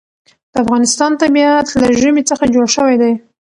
د افغانستان طبیعت له ژمی څخه جوړ شوی دی.